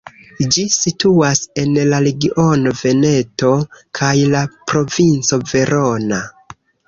Ĝi situas en la regiono Veneto kaj la provinco Verona.